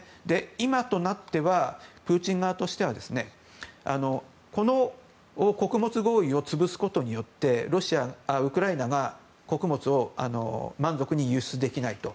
今となってはプーチン側としてはこの穀物合意を潰すことによってウクライナが穀物を満足に輸出できないと。